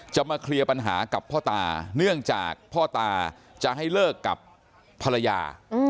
จะมาเคลียร์ปัญหากับพ่อตาเนื่องจากพ่อตาจะให้เลิกกับภรรยา